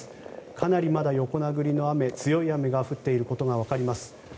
かなり、まだ横殴りの強い雨が降っていることが分かります。